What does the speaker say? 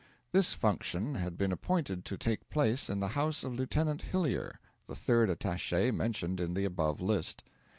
This function had been appointed to take place in the house of Lieutenant Hillyer, the third attache mentioned in the above list.